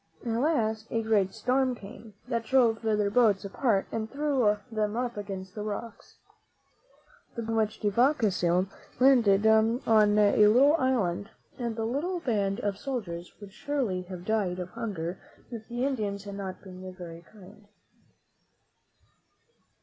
At last a great storm came, that drove their boats apart and threw them up against the rocks. The boat on which De Vaca sailed landed on a little island, and the little band of soldiers would surely have died of hunger if the Indians had not been very kind.